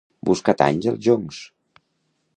Buscar tanys als joncs.